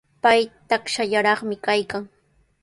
Pay takshallaraqmi kaykan.